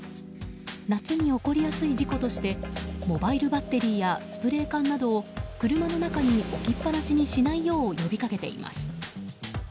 夏に起こりやすい事故としてモバイルバッテリーやスプレー缶などを車の中に置きっぱなしにしないよう呼びかけています。